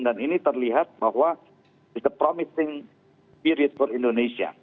dan ini terlihat bahwa it's a promising period for indonesia